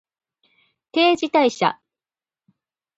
定時退社